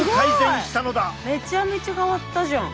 めちゃめちゃ変わったじゃん。